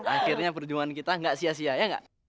akhirnya perjuangan kita gak sia sia ya gak